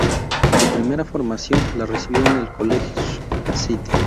Su primera formación la recibió en el College St.